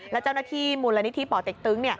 และเจ้าหน้าที่มูลนิธิป่อเต็กตึง